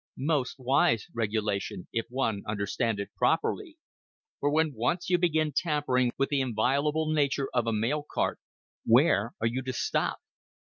Most wise regulation, if one understand it properly. For when once you begin tampering with the inviolable nature of a mail cart, where are you to stop?